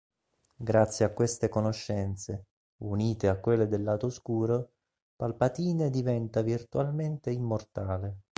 Grazie a queste conoscenze, unite a quelle del Lato Oscuro, Palpatine diventa virtualmente immortale.